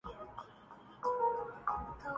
تو Dutch culture کو اپنا نا ہو گا۔